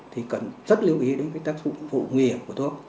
thì cần rất lưu ý đến tác dụng phụ nghỉ của thuốc